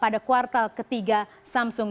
pada kuartal ketiga samsung